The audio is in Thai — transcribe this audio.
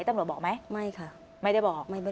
ตำรวจบอกไหมไม่ค่ะไม่ได้บอก